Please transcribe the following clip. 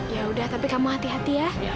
yaudah tapi kamu hati hati ya